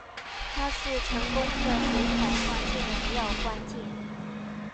它是成功的水彩画重要关键。